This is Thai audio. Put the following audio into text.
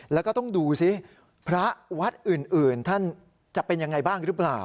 แล้วก็ต้องดูสิพระวัดอื่นท่านจะเป็นยังไงบ้างหรือเปล่า